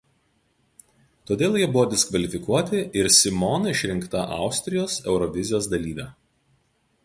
Todėl jie buvo diskvalifikuoti ir Simone išrinkta Austrijos „Eurovizijos“ dalyve.